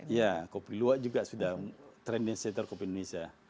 iya kopi luwak juga sudah trending center kopi indonesia